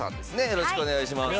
よろしくお願いします。